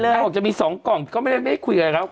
อยากให้เขาจะมี๒กล่องก็ไม่ได้คุยกับเขา